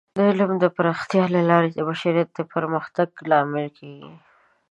د علم د پراختیا له لارې د بشریت د پرمختګ لامل کیږي.